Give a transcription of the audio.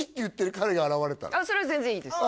あそれは全然いいです